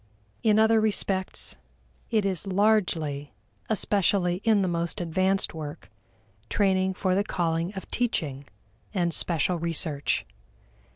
In other respects, it is largely, especially in the most advanced work, training for the calling of teaching and special research.